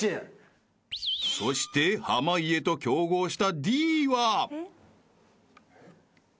［そして濱家と競合した］